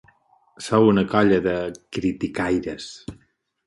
Sou una colla de criticaires.